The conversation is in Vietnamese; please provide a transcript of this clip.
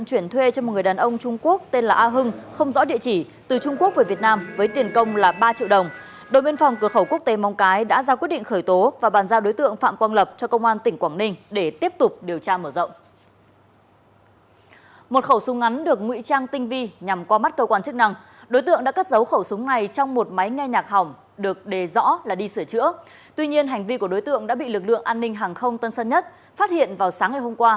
tuy nhiên hành vi của đối tượng đã bị lực lượng an ninh hàng không tân sân nhất phát hiện vào sáng ngày hôm qua